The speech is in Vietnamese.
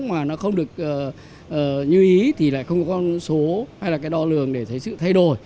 mà nó không được như ý thì lại không có con số hay là cái đo lường để thấy sự thay đổi